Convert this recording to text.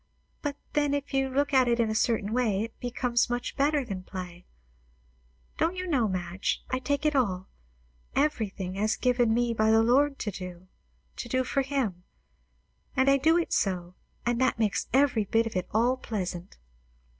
"But then, if you look at it in a certain way, it becomes much better than play. Don't you know, Madge, I take it all, everything, as given me by the Lord to do; to do for him; and I do it so; and that makes every bit of it all pleasant."